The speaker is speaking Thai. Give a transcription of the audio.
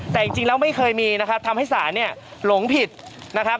แต่จริงแล้วไม่เคยมีนะครับทำให้ศาลเนี่ยหลงผิดนะครับ